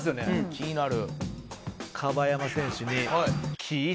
気になる。